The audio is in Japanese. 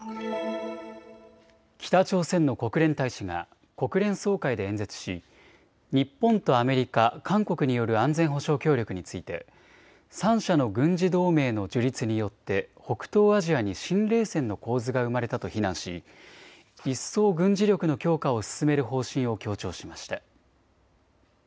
北朝鮮の国連大使が国連総会で演説し日本とアメリカ、韓国による安全保障協力について３者の軍事同盟の樹立によって北東アジアに新冷戦の構図が生まれたと非難し一層、軍事力の強化を進める方針を強調しました。